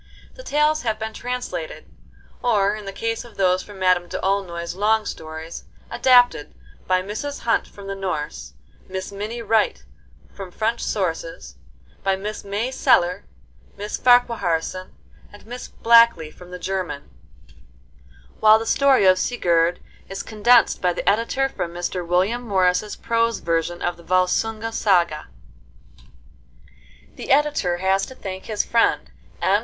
The tales have been translated, or, in the case of those from Madame d'Aulnoy's long stories, adapted, by Mrs. Hunt from the Norse, by Miss Minnie Wright from Madame d'Aulnoy, by Mrs. Lang and Miss Bruce from other French sources, by Miss May Sellar, Miss Farquharson, and Miss Blackley from the German, while the story of 'Sigurd' is condensed by the Editor from Mr. William Morris's prose version of the 'Volsunga Saga.' The Editor has to thank his friend, M.